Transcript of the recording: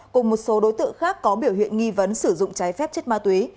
cùng một số đối tượng khác có biểu hiện nghi vấn sử dụng trái phép chất ma túy